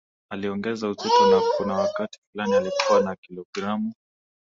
Aliongeza uzito na kuna wakati fulani alikuwa na kilogramu